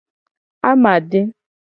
Amade.